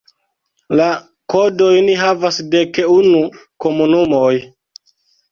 La kodojn havas dek unu komunumoj.